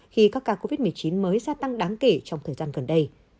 khi các ca covid một mươi chín mới gia tăng đáng kể trong thời gian gần đây